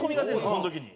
その時に。